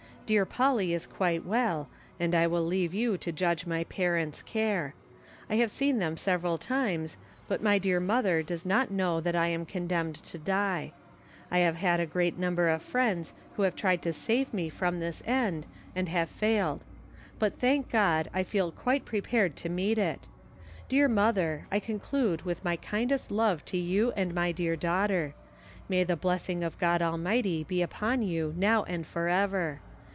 Dear Polly is quite well, and I will leave you to judge my parent's care; I have seen them several times, but my dear mother does not know that I am condemned to die. I have had a great number of friends who have tried to save me from this end, and have failed; but thank God, I feel quite prepared to meet it. Dear mother, I conclude with my kindest love to you and my dear daughter. May the blessing of God Almighty be upon you now and for ever.